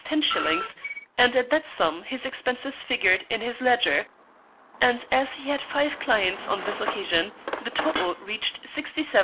_ and at that sum his expenses figured in his ledger; and as he had five clients on this occasion, the total reached £67 10_s.